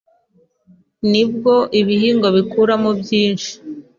ni bwo ibihingwa bikuramo byinshi